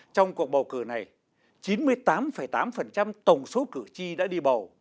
trong cuộc bầu cử này chín mươi tám tám tổng số cử tri đã đi bầu